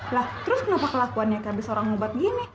lah terus kenapa kelakuannya kehabisan orang ngobat gini